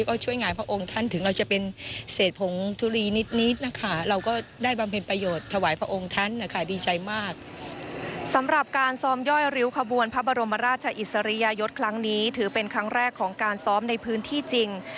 ก็ช่วยหลายพระองค์ท่านถึงเนี่ย